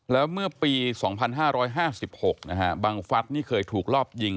แล้วเมื่อปี๒๕๕๖บังฟัสนี่เคยถูกรอบยิง